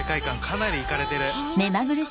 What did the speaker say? かなりイカれてる。